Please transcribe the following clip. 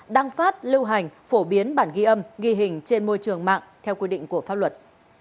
đăng phát lưu hành phổ biến bản ghi âm ghi hình trên môi trường mạng theo quy định của pháp luật